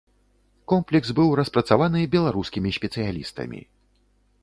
Комплекс быў распрацаваны беларускімі спецыялістамі.